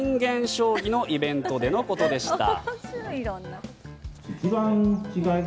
将棋のイベントでのことでした。